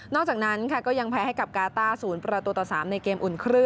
นอกจากนั้นยังแพ้กับการ์ตาสูญประตูต่อสามในเกม